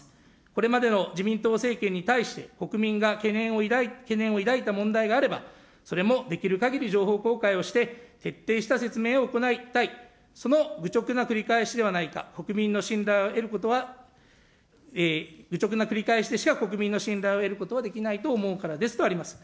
これまでの自民党政権に対して、国民が懸念を抱いた問題があれば、それもできるかぎり情報公開をして、徹底した説明を行いたい、その愚直な繰り返しではないか、国民の信頼を得ることは、愚直な繰り返しでしか国民の信頼を得ることはできないと思うからですとあります。